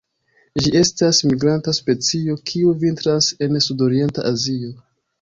Ĝi estas migranta specio, kiu vintras en sudorienta Azio.